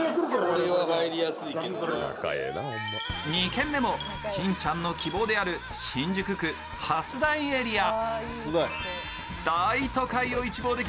２軒目も金ちゃんの希望である新宿区・初台エリア。